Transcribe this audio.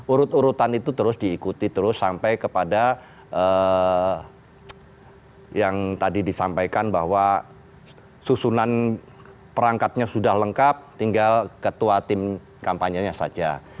urut urutan itu terus diikuti terus sampai kepada yang tadi disampaikan bahwa susunan perangkatnya sudah lengkap tinggal ketua tim kampanyenya saja